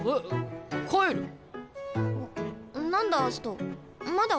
何だ？